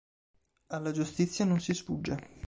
Alla giustizia non si sfugge".